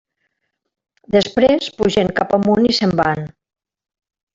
Després pugen cap amunt i se'n van.